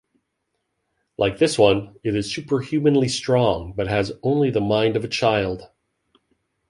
Like this one, it is superhumanly strong, but has only the mind of a child.